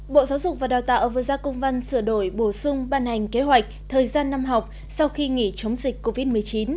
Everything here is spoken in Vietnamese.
bộ giáo dục và đào tạo vừa ra công văn sửa đổi bổ sung ban hành kế hoạch thời gian năm học sau khi nghỉ chống dịch covid một mươi chín